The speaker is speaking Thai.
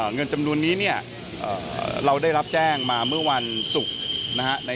เงินจำนวนนี้เนี่ยเราได้รับแจ้งมาเมื่อวันศุกร์นะฮะ